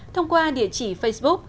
thông qua địa chỉ facebook